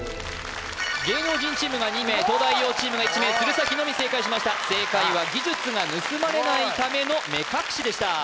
芸能人チームが２名東大王チームが１名鶴崎のみ正解しました正解は技術が盗まれないための目隠しでした